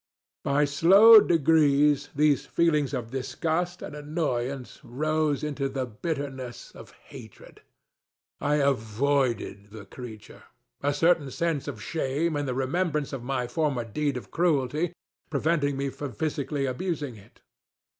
By slow degrees, these feelings of disgust and annoyance rose into the bitterness of hatred. I avoided the creature; a certain sense of shame, and the remembrance of my former deed of cruelty, preventing me from physically abusing it.